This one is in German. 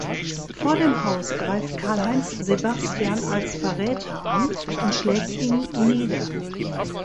Vor dem Haus greift Karlheinz Sebastian als „Verräter“ an und schlägt ihn nieder.